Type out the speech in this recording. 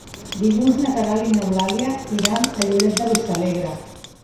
Dilluns na Queralt i n'Eulàlia iran a Lloret de Vistalegre.